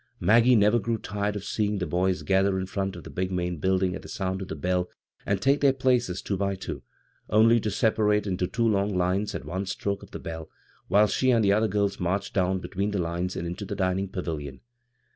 Maggie never grew tired of seeing the boys gather in front of the big main building at the sound of the bell and take their places two by two, only to separate into the two long lines at another stroke of the f)ell, while she and the other girls marched down between the lines and into the dining pavilion.